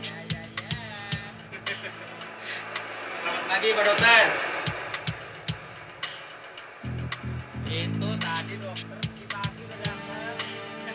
aku ingin kamu mencari dia